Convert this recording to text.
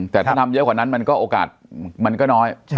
แต่ถ้าทำเยอะกว่านั้นมันก็โอกาสมันก็น้อย